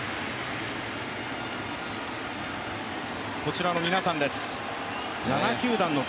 こちらの皆さんです。